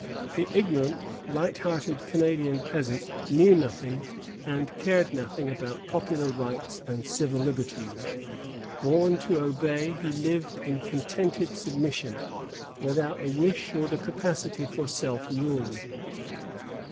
The ignorant, light hearted Canadian peasant knew nothing and cared nothing about popular rights and civil liberties. Born to obey, he lived in contented submission, without the wish or the capacity for self rule.